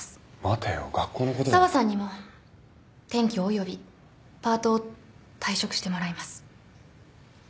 紗和さんにも転居およびパートを退職してもらいます。